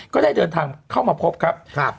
ก็ได้เดินทางเข้ามาพบครับ